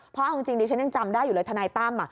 เพราะเอาจริงดิฉันยังจำได้อยู่เลยทนายตั้ม